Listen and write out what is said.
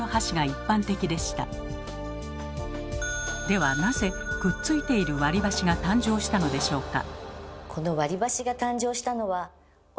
ではなぜくっついている割り箸が誕生したのでしょうか？